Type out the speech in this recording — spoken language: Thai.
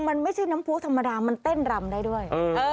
มันไม่ใช่น้ำผู้ธรรมดามันเต้นรำได้ด้วย